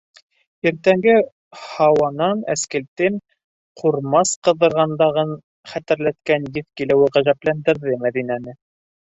Иртәнге һауанан әскелтем, ҡурмас ҡыҙҙырғандағын хәтерләткән еҫ килеүе ғәжәпләндерҙе Мәҙинәне.